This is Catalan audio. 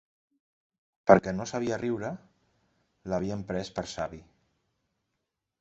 Perquè no sabia riure, l'havien pres per savi;